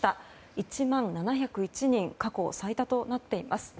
１万７０１人過去最多となっています。